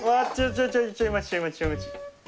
ちょい待ちちょい待ち。